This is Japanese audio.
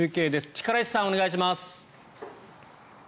力石さん、お願いします。